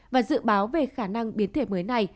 và dự báo về khả năng biến thể mới này